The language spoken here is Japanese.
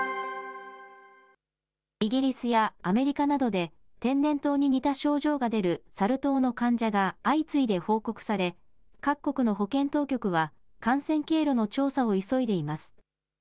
イギリスやアメリカなどで、天然痘に似た症状が出るサル痘の患者が相次いで報告され、各国の保健当局は、感染経路の調査を急いでいます。